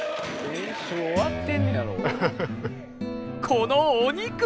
このお肉！